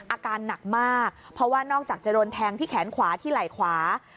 อาการหนักมากเพราะว่านอกจากจะโดนแทงที่แขนขวาที่ไหล่ขวา